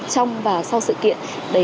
trong và sau sự kiểm tra